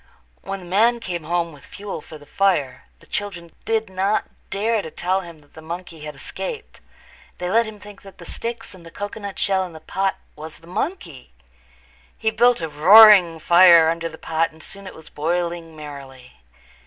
When the man came home with fuel for the fire the children did not dare to tell him that the monkey had escaped. They let him think that the sticks and the cocoanut shell in the pot was the monkey. He built a big roaring fire under the pot and soon it was boiling merrily.